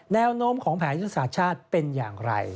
แนวโน้มของแผนยุทธศาสตร์ชาติเป็นอย่างไร